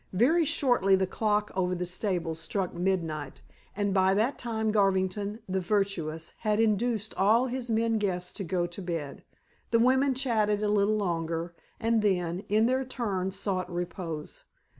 Very shortly the clock over the stables struck midnight, and by that time Garvington the virtuous had induced all his men guests to go to bed. The women chatted a little longer, and then, in their turn, sought repose.